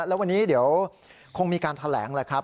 แล้ววันนี้เดี๋ยวคงมีการแถลงแหละครับ